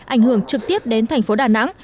ảnh hưởng trực tiếp đến thành phố đà nẵng